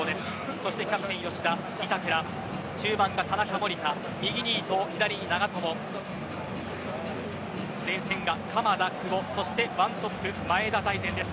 そして、キャプテン吉田、板倉中盤が田中、守田右に伊東、左に長友前線が鎌田、久保そして１トップ、前田大然です。